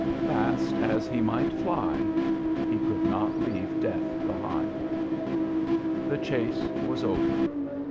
Fast as he might fly, he could not leave Death behind. The chase was over.